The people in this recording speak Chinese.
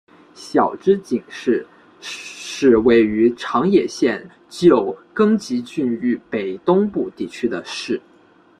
筱之井市是位于长野县旧更级郡域北东部地区的市。